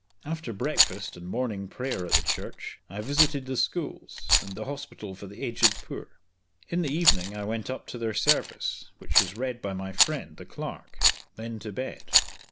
After breakfast and morning prayer at the church I visited the schools, and the hospital for the aged poor. In the evening I went up to their service, which was read by my friend, the clerk; then to bed.